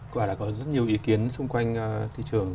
cô ả đã có rất nhiều ý kiến xung quanh thị trường